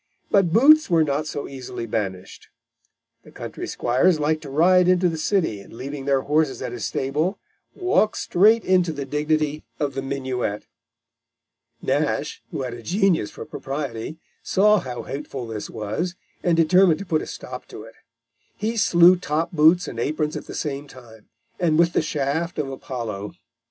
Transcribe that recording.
But boots were not so easily banished. The country squires liked to ride into the city, and, leaving their horses at a stable, walk straight into the dignity of the minuet. Nash, who had a genius for propriety, saw how hateful this was, and determined to put a stop to it. He slew top boots and aprons at the same time, and with the shaft of Apollo.